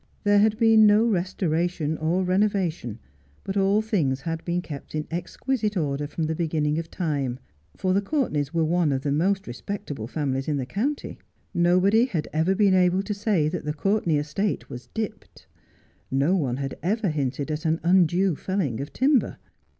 There had been no restoration or renovation, but all things had been kept in exquisite order from the beginning of time ; for the Courtenays were one of the most respectable families in the county. Nobody had ever been able to say that the Courtenay estate was 'dipped.' No one had ever hinted at an undue felling of timber.